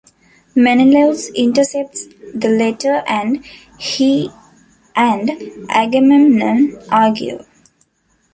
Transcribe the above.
Menelaus intercepts the letter and he and Agamemnon argue.